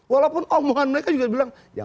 walaupun omongan mereka juga bilang